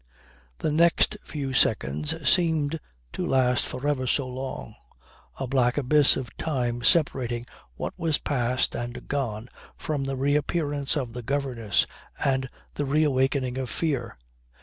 The next few seconds seemed to last for ever so long; a black abyss of time separating what was past and gone from the reappearance of the governess and the reawakening of fear.